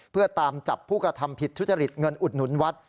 เพื่อตามจับผู้กระทำผิดทุจริตเงินอุดหนุนวัด